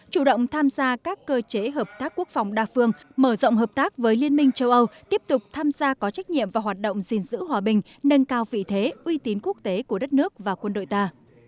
chủ động tham gia các cơ chế hợp tác quốc phòng đa phương mở rộng hợp tác với liên minh châu âu tiếp tục tham gia có trách nhiệm và hoạt động gìn giữ hòa bình nâng cao vị thế uy tín quốc tế của đất nước và quân đội ta